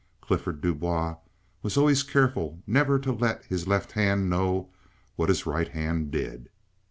Clifford Du Bois was always careful never to let his left hand know what his right hand did.